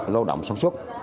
lâu động sống suốt